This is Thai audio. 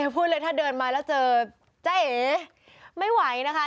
พูดเลยถ้าเดินมาแล้วเจอเจ๊เอไม่ไหวนะคะ